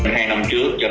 hai năm trước